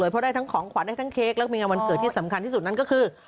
เพราะได้ทั้งของขวัญได้ทั้งเค้กและมีงานวันเกิดที่สำคัญที่สุดนั้นก็คือ